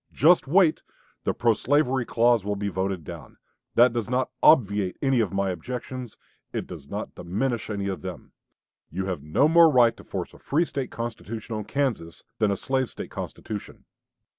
just wait; the pro slavery clause will be voted down.' That does not obviate any of my objections; it does not diminish any of them. You have no more right to force a free State constitution on Kansas than a slave State constitution.